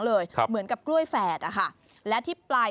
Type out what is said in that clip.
ก็เลยยิ่งสร้างความประหลาดใจให้กับชาวบ้าน